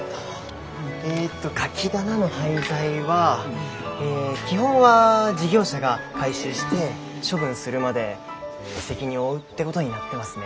えっとカキ棚の廃材は基本は事業者が回収して処分するまで責任を負うってことになってますね。